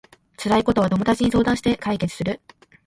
辛いことは友達に相談して解決する